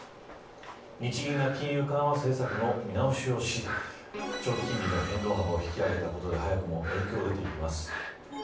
日銀が金融緩和政策の見直しをし長期金利の変動幅を引き上げたことで早くも影響が出てきています。